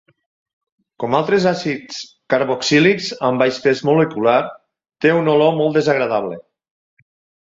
Com altres àcids carboxílics amb baix pes molecular, té una olor molt desagradable.